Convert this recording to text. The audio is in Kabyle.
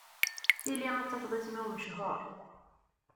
Tili ad tafeḍ isem-iw mechur.